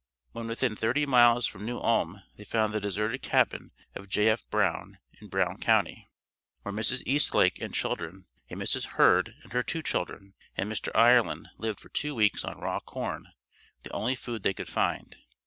When within thirty miles from New Ulm they found the deserted cabin of J. F. Brown in Brown County, where Mrs. Eastlake and children, a Mrs. Hurd and her two children, and Mr. Ireland lived for two weeks on raw corn, the only food they could find.